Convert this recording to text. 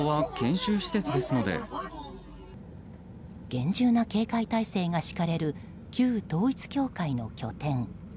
厳重な警戒態勢が敷かれる旧統一教会の拠点。